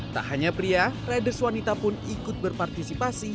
tak hanya pria riders wanita pun ikut berpartisipasi